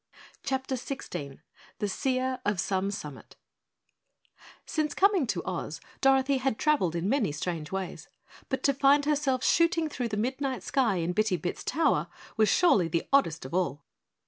CHAPTER 16 The Seer of Some Summit Since coming to Oz, Dorothy had traveled in many strange ways, but to find herself shooting through the midnight sky in Bitty Bit's tower was surely the oddest of all.